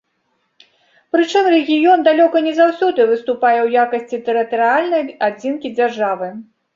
Прычым рэгіён далёка не заўсёды выступае ў якасці тэрытарыяльнай адзінкі дзяржавы.